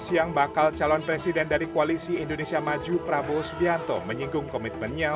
siang bakal calon presiden dari koalisi indonesia maju prabowo subianto menyinggung komitmennya